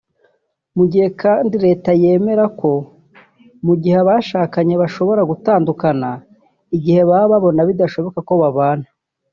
Mu gihe kandi leta yemera ko mu gihe abashakanye bashobora gutandukana igihe baba babona bidashoboka ko babana